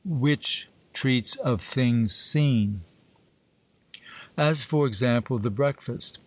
WHICH TREATS OF THINGS SEEN. AS, for example, the breakfast.